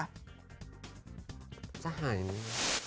สหายนี่